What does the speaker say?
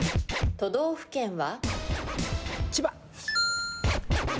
都道府県は？